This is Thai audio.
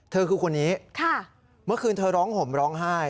เธอคือคนนี้เมื่อคืนเธอร้องห่มร้องไห้